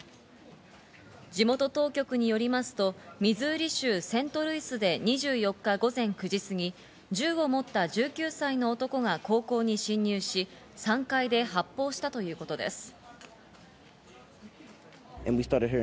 地元当局によりますと、ミズーリ州セントルイスで２４日午前９時過ぎ、銃を持った１９歳の男が高校に侵入し、３階で発砲したということです。